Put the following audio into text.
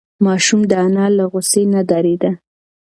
ماشوم د انا له غوسې نه ډارېده.